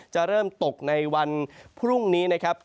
จะเริ่มตกในวันพรุ่งนี้นะครับ